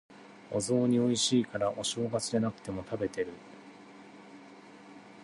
お雑煮美味しいから、お正月じゃなくても食べてる。